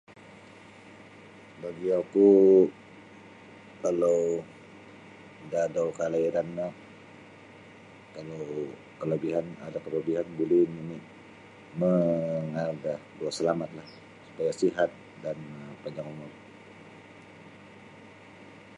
Da guangku kalau da adau kelahiran no aru kelebihan ada kelebihan buli nini maangaal da doa selamatlah supaya sihat dan panjang umur.